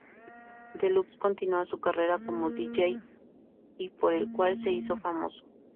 Deluxe continúa su carrera como Dj y por el cual se hizo famoso.